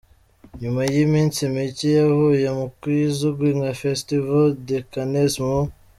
Nyuma yiminsi mike avuye mu kizwi nka Festival de Cannes mu.